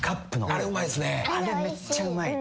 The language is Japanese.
あれめっちゃうまい。